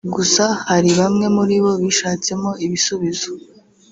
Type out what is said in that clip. gusa hari bamwe muri bo bishatsemo ibisubizo